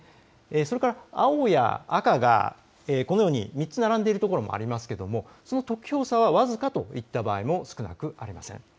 それから青や赤がこのように３つ並んでいる所もありますけれどもその得票差は僅かといった場合も少なくありません。